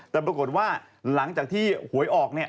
แต่ปรากฏว่าหลังจากที่หวยออกเนี่ย